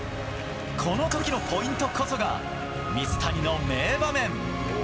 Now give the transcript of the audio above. この時のポイントこそが水谷の名画面！